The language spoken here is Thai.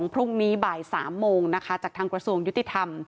พรุ่งนี้บ่าย๓โมงนะคะจากทางกระทรวงยุติธรรม